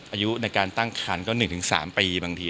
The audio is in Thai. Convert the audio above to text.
อายุในการตั้งคันก็๑๓ปีบางที